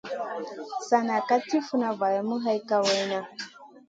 Sana ka ti funa valamu hay kawayna.